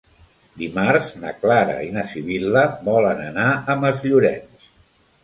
Dimarts na Clara i na Sibil·la volen anar a Masllorenç.